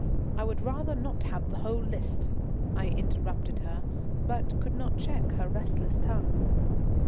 I would rather not have the whole list," I interrupted her, but could not check her restless tongue.